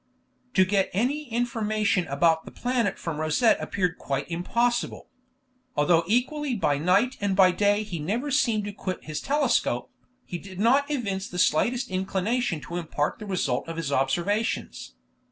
To get any information about the planet from Rosette appeared quite impossible. Although equally by night and by day he never seemed to quit his telescope, he did not evince the slightest inclination to impart the result of his observations.